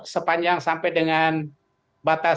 sepanjang sampai dengan batas mulai perdapatan